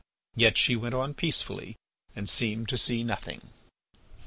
Yet she went on peacefully and seemed to see nothing.